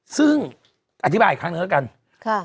ซึ่งอธิบายอีกครั้งหนึ่งแล้วกัน